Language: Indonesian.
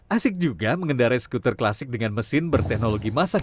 asik juga mengendarai skuter klasik dengan mesin berteknologi masak